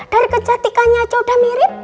dari kecantikannya aja udah mirip